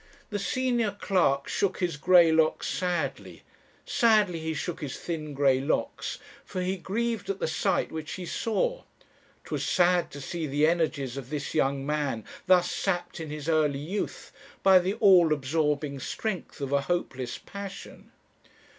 "The senior clerk shook his grey locks sadly! sadly he shook his thin grey locks, for he grieved at the sight which he saw. 'Twas sad to see the energies of this young man thus sapped in his early youth by the all absorbing strength of a hopeless passion.